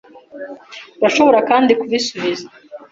Urashobora kandi kubisubiza .